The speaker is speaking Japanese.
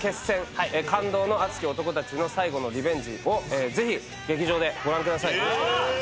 感動の熱き男たちの最後のリベンジをぜひ劇場でご覧ください。